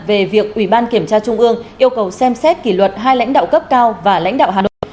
về việc ủy ban kiểm tra trung ương yêu cầu xem xét kỷ luật hai lãnh đạo cấp cao và lãnh đạo hà nội